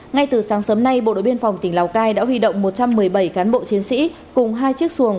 ngay từ sáng sớm nay bộ đội biên phòng tỉnh lào cai đã huy động một trăm một mươi bảy cán bộ chiến sĩ cùng hai chiếc xuồng